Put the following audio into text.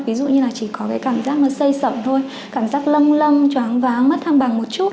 ví dụ như là chỉ có cái cảm giác nó xây sởn thôi cảm giác lâm lâm chóng váng mất thăng bằng một chút